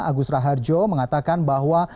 agus raharjo mengatakan bahwa